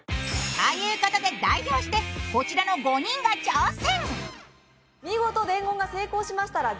ということで代表してこちらの５人が挑戦。